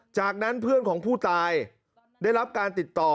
จากนั้นเพื่อนของผู้ตายได้รับการติดต่อ